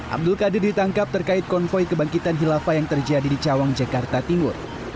abdul qadir ditangkap terkait konvoy kebangkitan hilafah yang terjadi di cawang jakarta timur